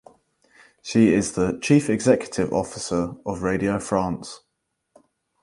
She is the chief executive officer of Radio France.